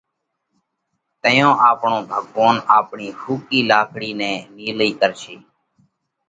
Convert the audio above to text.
تئيون آپڻو ڀڳوونَ آپڻِي ۿُوڪِي لاڪڙِي نئہ نِيلئِي ڪرشي۔